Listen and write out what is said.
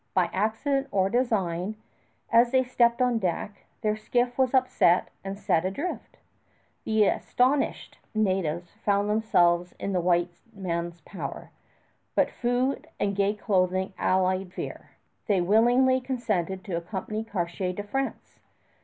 By accident or design, as they stepped on deck, their skiff was upset and set adrift. The astonished natives found themselves in the white men's power, but food and gay clothing allayed fear. They willingly consented to accompany Cartier to France.